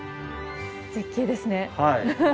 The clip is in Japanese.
絶景ですね。